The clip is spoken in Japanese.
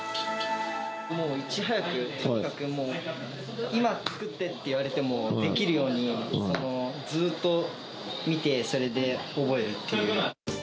もういち早くとにかくもう、今作ってって言われてもできるように、ずっと見て、それで覚えるっていう。